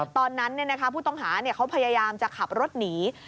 ตอนนั้นผู้ต้องหาเขาพยายามจะขับรถหนี